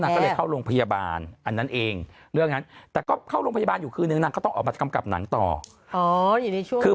หยดใหญ่หรือเปล่าวะหยดใหญ่หรือเปล่าวะบีบหนักมือ